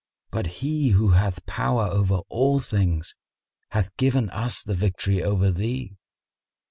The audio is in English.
But He who hath power over all things hath given us the victory over thee.